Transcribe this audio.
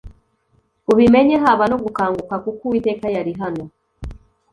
ubimenye haba no gukanguka kuko uwiteka yari hano